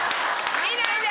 見ないで。